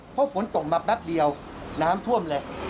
เพราะฝนตกมาแป๊บเดียวน้ำท่วมเลย